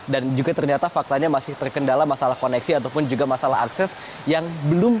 dan juga ternyata faktanya masih terkendala masalah koneksi ataupun juga masalah akses yang belum bisa diakses secara penuh oleh para calon penumpang